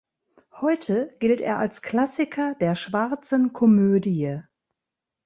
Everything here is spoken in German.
Heute gilt er als Klassiker der Schwarzen Komödie.